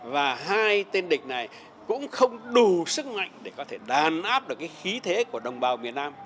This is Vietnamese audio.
và hai tên địch này cũng không đủ sức mạnh để có thể đàn áp được khí thế của đồng bào miền nam